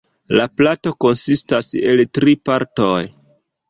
La plato konsistas el tri partoj.